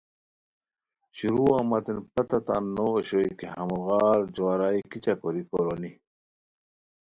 شروعا متین پتہ تان نو اوشوئے کی ہموغار جوارائے کیچہ کوری کورونی